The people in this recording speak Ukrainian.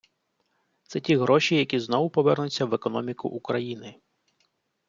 Це ті гроші, які знову повернуться в економіку України.